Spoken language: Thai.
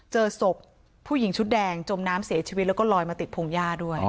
เจอศพผู้หญิงชุดแดงจมน้ำเสียชีวิตแล้วก็ลอยมาติดพงหญ้าด้วย